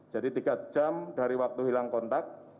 jadi tiga jam dari waktu hilang kontak